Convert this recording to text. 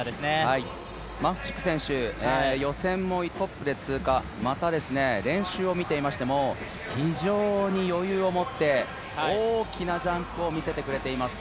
マフチク選手、予選もトップで通過また練習を見ていましても、非常に余裕を持って、大きなジャンプを見せてくれています。